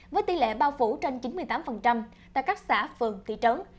với tỷ lệ bao phủ trên chín mươi tám tại các xã phường thị trấn